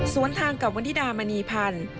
ทางกับวันธิดามณีพันธ์